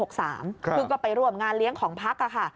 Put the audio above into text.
ซึ่งก็ไปร่วมงานเลี้ยงของพักค่ะ